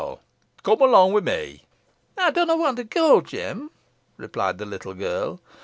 Cum along wi' me." "Ey dunna want to go, Jem," replied the little girl.